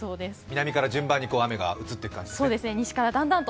南から順番に雨がかかっていくと。